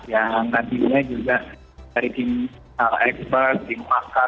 yang nantinya juga dari tim expert tim pakar